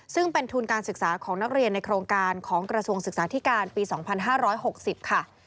ซึ่งเป็นทุนการศึกษาของนักเรียนในโครงการของกระทรวงศึกษาธิการปี๒๕๖๐ค่ะ